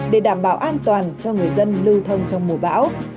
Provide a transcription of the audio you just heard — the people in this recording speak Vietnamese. để đảm bảo an toàn cho người dân lưu thông trong mùa bão